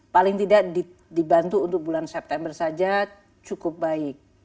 paling tidak dibantu untuk bulan september saja cukup baik